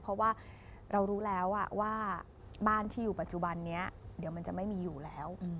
เพราะว่าเรารู้แล้วว่าบ้านที่อยู่ปัจจุบันนี้เดี๋ยวมันจะไม่มีอยู่แล้ว